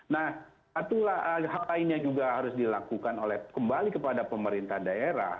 nah satu hal lainnya juga harus dilakukan oleh kembali kepada pemerintah daerah